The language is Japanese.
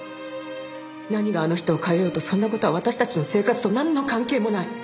何があの人を変えようとそんな事は私たちの生活となんの関係もない。